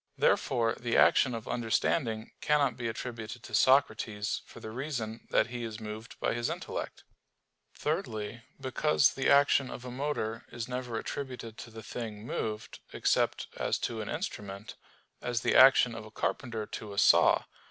Therefore the action of understanding cannot be attributed to Socrates for the reason that he is moved by his intellect. Thirdly, because the action of a motor is never attributed to the thing moved, except as to an instrument; as the action of a carpenter to a saw.